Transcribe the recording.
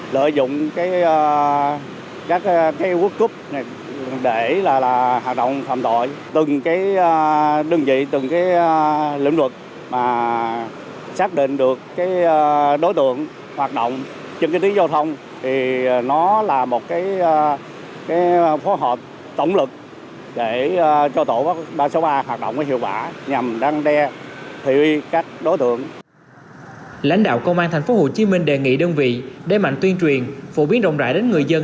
lãnh đạo công an tp hcm đề nghị đơn vị đề mạnh tuyên truyền phổ biến rộng rãi đến người dân